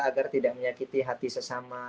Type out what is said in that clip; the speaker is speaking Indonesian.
agar tidak menyakiti hati sesama